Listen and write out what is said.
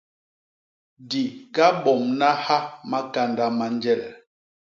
Di gabomna ha makanda ma njel.